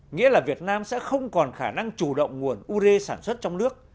nghĩa là việt nam sẽ không còn khả năng chủ động nguồn u rê sản xuất trong nước